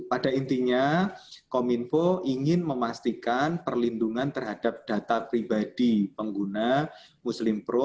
pada intinya kominfo ingin memastikan perlindungan terhadap data pribadi pengguna muslim pro